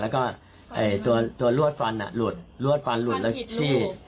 แล้วก็ตัวลวดฟันหลุดลวดฟันหลุดแล้วซี่